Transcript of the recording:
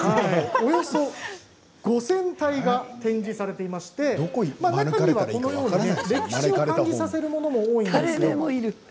およそ５０００体が展示されていまして歴史を感じさせるものも多いんです。